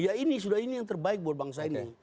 ya ini sudah ini yang terbaik buat bangsa ini